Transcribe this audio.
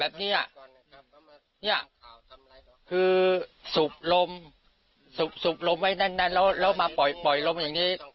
แบบเนี้ยเนี้ยคือสูบลมสูบสูบลมไว้แน่นแน่นแล้วแล้วมาปล่อยปล่อยลมอย่างนี้